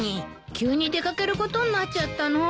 急に出掛けることになっちゃったの。